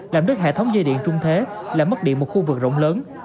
làm đứt hệ thống dây điện trung thế làm mất điện một khu vực rộng lớn